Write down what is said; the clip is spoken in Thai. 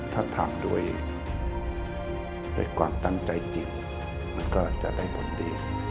ถ้าทำด้วยความตั้งใจจริงมันก็จะได้ผลดี